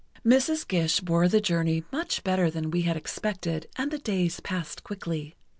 Mrs. Gish bore the journey much better than we had expected and the days passed quickly.